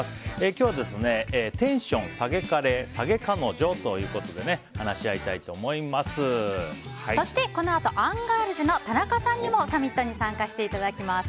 今日はテンション下げ彼・下げ彼女ということでそして、このあとアンガールズの田中さんにもサミットに参加していただきます。